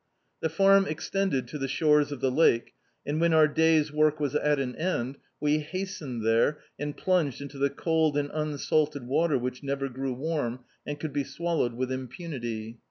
The farm extended to the shores of the lake, and when our day's work was at an end, we hastened there, and plunged into the cold and un salted water which never grew warm, and could be swallowed with impunity.